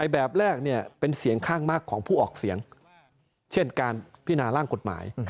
แบบแรกเป็นเสียงข้างมากของผู้ออกเสียงเช่นการพินาร่างกฎหมาย